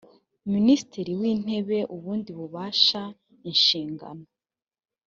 minisitiri w intebe ubundi bubasha inshingano